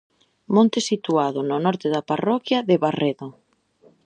Monte situado no norte da parroquia de Barredo.